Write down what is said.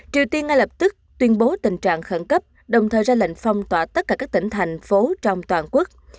triều tiên ngay lập tức tuyên bố tình trạng khẩn cấp đồng thời ra lệnh phong tỏa tất cả các tỉnh thành phố trong toàn quốc